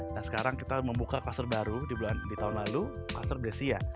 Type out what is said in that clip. nah sekarang kita membuka kastor baru di tahun lalu kastor brescia